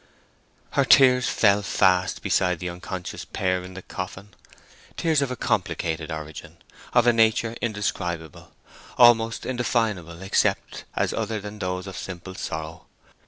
Her tears fell fast beside the unconscious pair in the coffin: tears of a complicated origin, of a nature indescribable, almost indefinable except as other than those of simple sorrow.